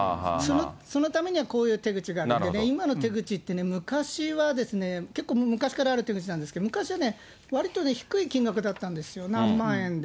そのためにはこういう手口があって、今の手口って、昔は、結構昔からある手口なんですけど、昔はね、わりと低い金額だったんですよ、何万円で。